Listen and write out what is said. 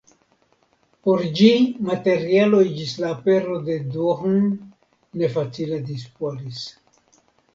Por ĝi materialoj ĝis la apero de Duhn ne facile disponis.